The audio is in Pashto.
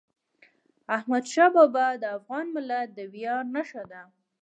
احمدشاه بابا د افغان ملت د ویاړ نښه ده.